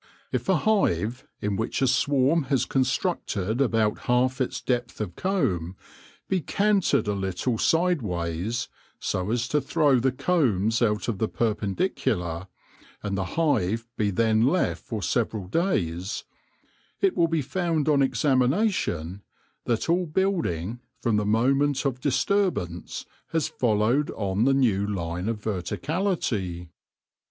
If a hive, in which a swarm has constructed about half its depth of comb, be canted a little sideways, so as to throw the combs out of the per pendicular, and the hive be then left for several days, it will be found on examination that all build ing, from the moment of disturbance, has followed on the new line of vertically.